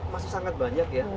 masih sangat banyak ya